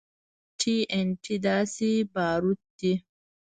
ټي ان ټي داسې باروت دي.